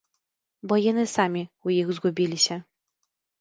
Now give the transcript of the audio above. Бо яны самі ў іх згубіліся.